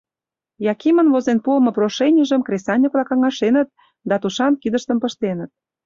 Якимын возен пуымо прошенийжым кресаньык-влак каҥашеныт да тушан кидыштым пыштеныт.